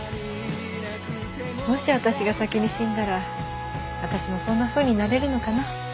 もし私が先に死んだら私もそんなふうになれるのかな？